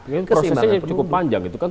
prosesnya cukup panjang itu kan